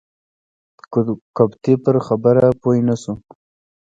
قبطي پر خبره پوی نه شو.